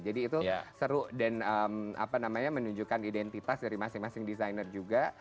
jadi itu seru dan apa namanya menunjukkan identitas dari masing masing designer juga